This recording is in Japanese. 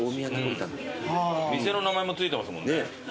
店の名前も付いてますもんね。